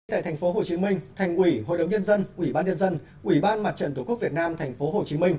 tại tp hcm thành quỷ hội đồng nhân dân quỷ ban nhân dân quỷ ban mặt trận tổ quốc việt nam tp hcm